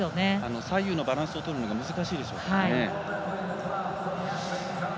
左右のバランスをとるのが難しいでしょうか。